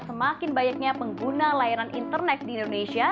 semakin banyaknya pengguna layanan internet di indonesia